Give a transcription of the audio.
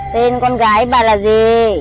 tên con gái bà là gì